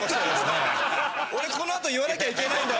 「俺この後言わなきゃいけないんだ」。